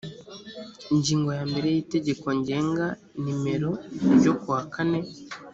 ingingo ya mbere y itegeko ngenga nimero ryo kuwakane